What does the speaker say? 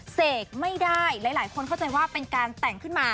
เสกไม่ได้หลายคนเข้าใจว่าเป็นการแต่งขึ้นมา